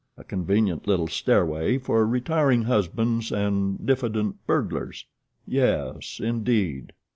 A convenient little stairway for retiring husbands and diffident burglars yes, indeed!